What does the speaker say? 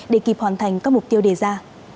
để kịp hoàn thành các mục tiêu đề ra